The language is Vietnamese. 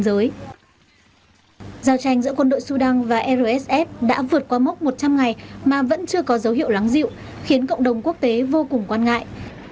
giao tranh giữa quân đội sudan và rsf đã vượt qua mốc một trăm linh ngày mà vẫn chưa có dấu hiệu lắng dịu khiến cộng đồng quốc tế vô cùng quan ngại